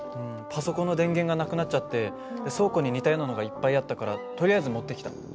パソコンの電源がなくなっちゃって倉庫に似たようなのがいっぱいあったからとりあえず持ってきた。